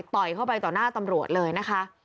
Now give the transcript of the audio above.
ต่อยเข้าไปต่อหน้าตำรวจเลยนะคะ